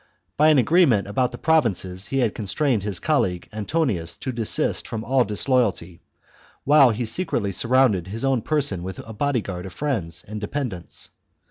By an agreement about the provinces he had con strained his colleague, Antonius, to desist from all disloyalty, while he secretly surrounded his own person with a body guard of friends and dependents.